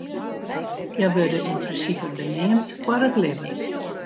Hja wurde yn prinsipe beneamd foar it libben.